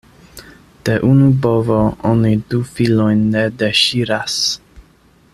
De unu bovo oni du felojn ne deŝiras.